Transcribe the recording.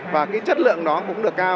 và cái chất lượng đó cũng được cao